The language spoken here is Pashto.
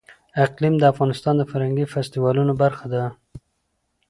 اقلیم د افغانستان د فرهنګي فستیوالونو برخه ده.